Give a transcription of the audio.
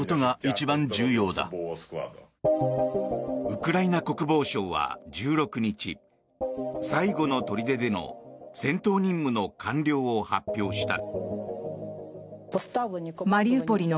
ウクライナ国防省は１６日最後の砦での戦闘任務の完了を発表した。